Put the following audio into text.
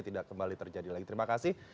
tidak kembali terjadi lagi terima kasih